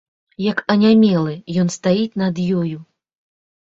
Як анямелы, ён стаіць над ёю.